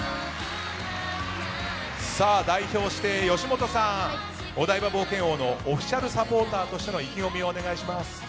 代表して、吉本さんお台場冒険王のオフィシャルサポーターとしての意気込みをお願いします。